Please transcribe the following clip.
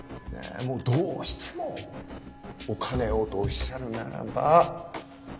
どうしてもお金をとおっしゃるならば。